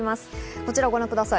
こちらをご覧ください。